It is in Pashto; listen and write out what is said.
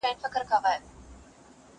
چي د وګړو څه يې ټولي ګناه كډه كړې